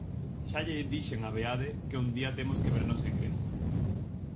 Xa lle dixen a Beade que un día temos que vernos en Gres.